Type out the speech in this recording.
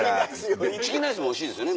チキンライスもおいしいですよね？